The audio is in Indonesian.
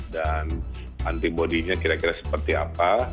dan antibodinya kira kira seperti apa